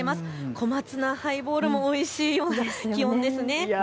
小松菜ハイボールもおいしいような気温ですね。